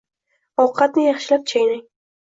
Ovqatni yaxshilab chaynang.